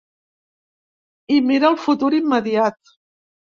I mira al futur immediat.